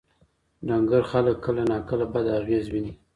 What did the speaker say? ډنګر خلک کله ناکله بد اغېز ویني.